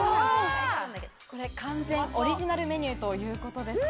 完全オリジナルメニューということです。